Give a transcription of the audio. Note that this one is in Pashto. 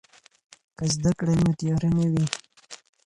که زده کړه وي نو تیاره نه وي.